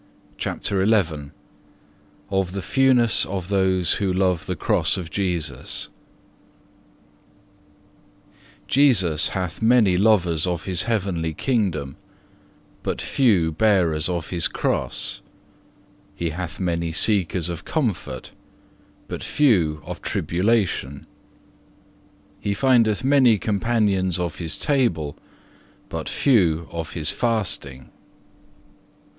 10. CHAPTER XI Of the fewness of those who love the Cross of Jesus Jesus hath many lovers of His heavenly kingdom, but few bearers of His Cross. He hath many seekers of comfort, but few of tribulation. He findeth many companions of His table, but few of His fasting.